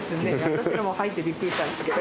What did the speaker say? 私らも入ってビックリしたんですけど。